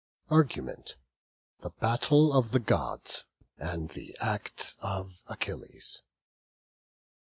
ARGUMENT. THE BATTLE OF THE GODS, AND THE ACTS OF ACHILLES.